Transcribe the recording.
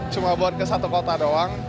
cuma buat ke satu kota doang